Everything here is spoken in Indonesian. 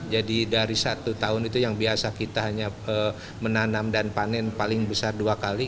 jadi dari satu tahun itu yang biasa kita hanya menanam dan panen paling besar dua kali